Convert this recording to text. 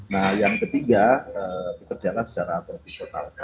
nah yang ketiga bekerjalah secara profesional